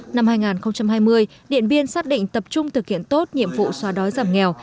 năm hai nghìn hai mươi điện biên xác định tập trung thực hiện tốt nhiệm vụ xóa đói giảm nghèo